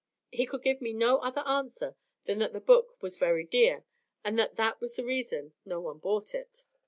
He could give me no other answer than that the book was very dear, and that that was the reason no one bought it.